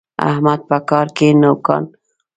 احمد په کار کې نوکان واېستل.